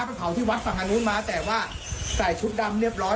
เผาที่วัดฝั่งทางนู้นมาแต่ว่าใส่ชุดดำเรียบร้อย